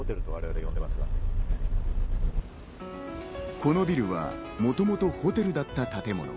このビルはもともとホテルだった建物。